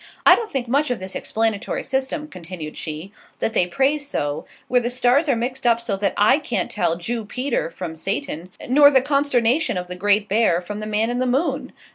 "I don't think much of this explanatory system," continued she, "that they praise so, where the stars are mixed up so that I can't tell Jew Peter from Satan, nor the consternation of the Great Bear from the man in the moon.